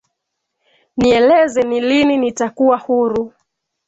nieleze ni lini nitakuwa huru